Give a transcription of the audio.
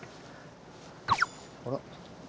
あら？